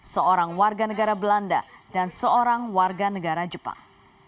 seorang warga negara belanda dan seorang warga negara jepang